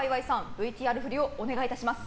ＶＴＲ振りお願いします。